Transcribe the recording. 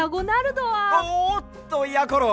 おっとやころ！